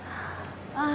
ああ。